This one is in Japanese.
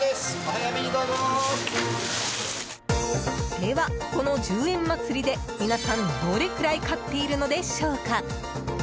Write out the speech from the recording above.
では、この１０円まつりで皆さん、どれくらい買っているのでしょうか？